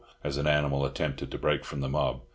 as an animal attempted to break from the mob.